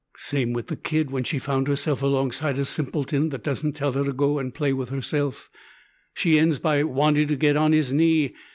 "Same with the kid; when she found herself alongside a simpleton that doesn't tell her to go and play with herself, she ends by wanting to get on his knee.